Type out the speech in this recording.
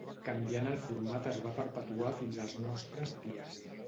Canviant el format es va perpetuar fins als nostres dies.